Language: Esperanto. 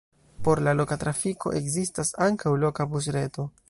Por la loka trafiko ekzistas ankaŭ loka busreto.